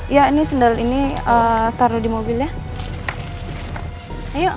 iya ini sandal ini taruh di mobil ya